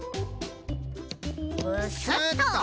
ブスッと。